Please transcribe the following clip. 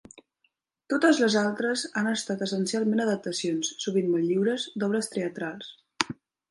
Totes les altres han estat essencialment adaptacions, sovint molt lliures, d'obres teatrals.